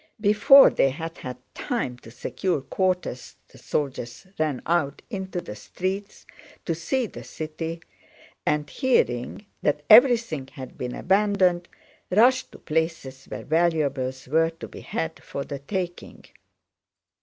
Before they had had time to secure quarters the soldiers ran out into the streets to see the city and, hearing that everything had been abandoned, rushed to places where valuables were to be had for the taking.